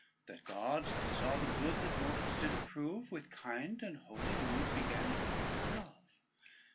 The gods that saw the good That mortals did approve, With kind and holy mood Began to talk of Love.